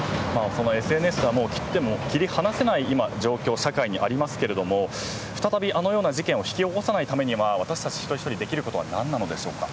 ＳＮＳが切っても切り離せない状況、社会にありますが再び、あのような事件を引き起こさないためには私たち一人一人にできることは何なのでしょうか？